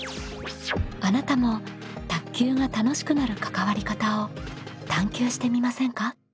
あなたも卓球が楽しくなる関わり方を探究してみませんか？